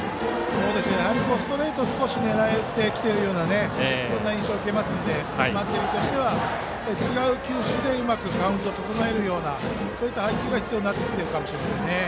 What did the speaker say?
ストレートを少し狙ってきているようなそんな印象を受けますのでバッテリーとしては違う球種でうまくカウントを整えるという配球が必要かもしれません。